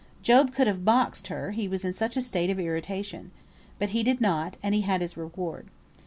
Job could have boxed her, he was in such a state of irritation. But he did not, and he had his reward.